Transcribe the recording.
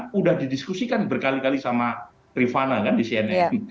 sudah didiskusikan berkali kali sama rifana kan di cnn